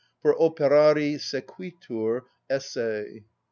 For operari sequitur esse.